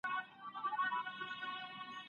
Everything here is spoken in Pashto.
ځوانانو د رهبرۍ مهارتونه زده کول.